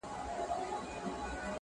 او خپل حساب کوي دننه،